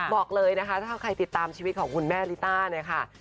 บอกเลยนะคะถ้าใครติดตามชีวิตของคุณแม่ลิต้าเนี่ยค่ะ